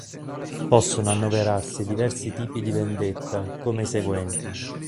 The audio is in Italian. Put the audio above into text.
Possono annoverarsi diversi tipi di vendetta, come i seguenti.